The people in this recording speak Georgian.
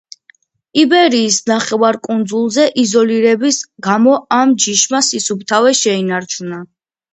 იბერიის ნახევარკუნძულზე იზოლირების გამო ამ ჯიშმა სისუფთავე შეინარჩუნა.